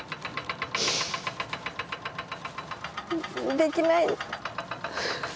できない。